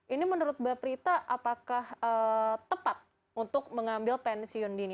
ini menurut mbak prita apakah tepat untuk mengambil pensiun dini